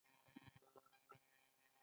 بودیزم په چټکۍ سره خپور شو.